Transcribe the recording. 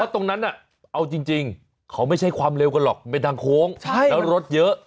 ตรงนั้นเอาจริงเขาไม่ใช่ความเร็วกันหรอกเป็นทางโค้งแล้วรถเยอะ